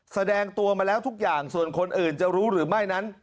แสดงตัวมาแล้วทุกอย่างส่วนคนอื่นจะรู้หรือไม่นั้น